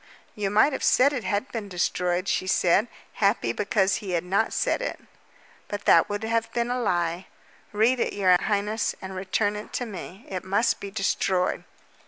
"You might have said it had been destroyed," she said, happy because he had not said it. "But that would have been a lie. Read it, your highness, and return it to me. It must be destroyed."